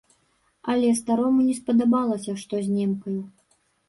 Але старому не спадабалася, што з немкаю.